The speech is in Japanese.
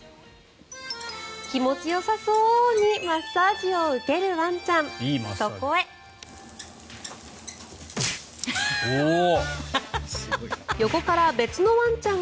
気持ちよさそうにマッサージを受けるワンちゃん。